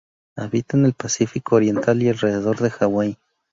Habita en el Pacífico oriental y alrededor de Hawái.